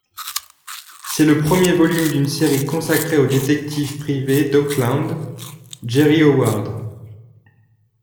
C'est le premier volume d'une série consacrée au détective privé d'Oakland, Jeri Howard.